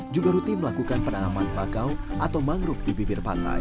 juga rutin melakukan penanaman bakau atau mangrove di bibir pantai